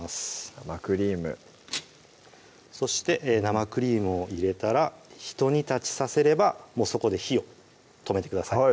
生クリームそして生クリームを入れたらひと煮立ちさせればそこで火を止めてください